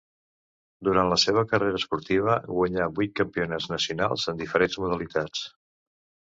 Durant la seva carrera esportiva guanyà vuit campionats nacionals en diferents modalitats.